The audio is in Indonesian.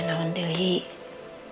ngalam pun lepak gawe ante